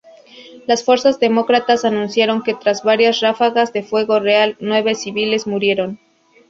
Las fuerzas demócratas anunciaron que tras varias ráfagas de fuego real nueve civiles murieron.